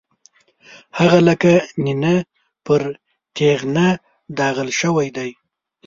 هغه لکه نېنه پر تېغنه داغل شوی دی.